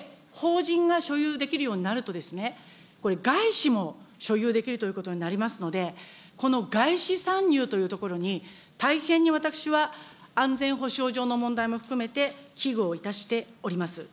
そして、法人が所有できるようになると、これ、外資も所有できるということになりますので、この外資参入というところに、大変に私は安全保障上の問題も含めて、危惧をいたしております。